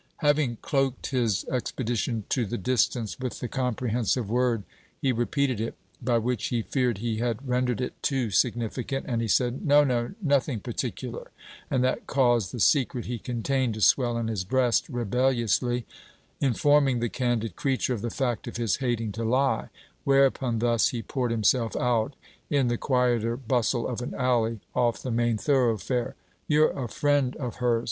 Having cloaked his expedition to the distance with the comprehensive word, he repeated it; by which he feared he had rendered it too significant, and he said: 'No, no; nothing particular'; and that caused the secret he contained to swell in his breast rebelliously, informing the candid creature of the fact of his hating to lie: whereupon thus he poured himself out, in the quieter bustle of an alley, off the main thoroughfare. 'You're a friend of hers.